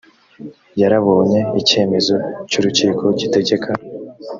yarabonye icyemezo cy urukiko gitegeka